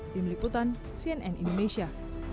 tim liputan cnn indonesia